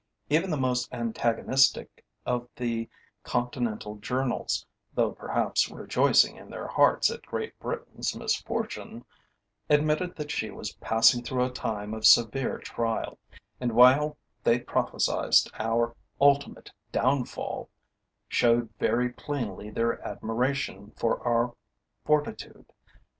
Even the most antagonistic of the Continental journals, though perhaps rejoicing in their hearts at Great Britain's misfortune, admitted that she was passing through a time of severe trial, and while they prophesied our ultimate downfall, showed very plainly their admiration for our fortitude.